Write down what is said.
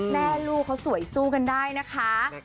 แม่ลูกเขาสวยสู้กันได้นะคะ